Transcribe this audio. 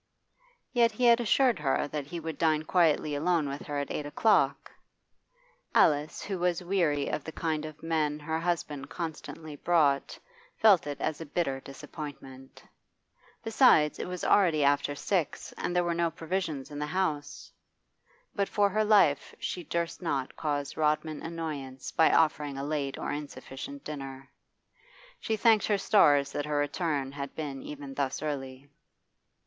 Yet he had assured her that he would dine quietly alone with her at eight o'clock. Alice, who was weary of the kind of men her husband constantly brought, felt it as a bitter disappointment. Besides, it was already after six, and there were no provisions in the house. But for her life she durst not cause Rodman annoyance by offering a late or insufficient dinner. She thanked her stars that her return had been even thus early.